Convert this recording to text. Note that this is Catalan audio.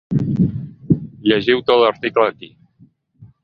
Llegiu tot l’article aquí.